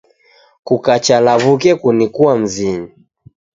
Kukacha law'uke kunikua mzinyi